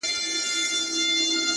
هڅاند ذهن نوې لارې مومي,